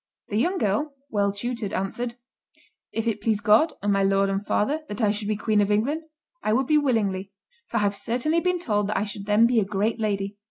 The young girl, well tutored, answered, "If it please God and my lord and father that I should be Queen of England, I would be willingly, for I have certainly been told that I should then be a great lady."